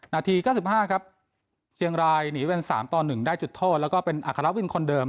นาที๙๕ครับเชียงรายหนีเป็น๓ต่อ๑ได้จุดโทษแล้วก็เป็นอัครวินคนเดิม